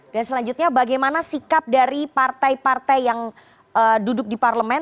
selanjutnya bagaimana sikap dari partai partai yang duduk di parlemen